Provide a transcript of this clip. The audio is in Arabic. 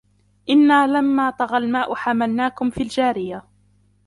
إنا لما طغى الماء حملناكم في الجارية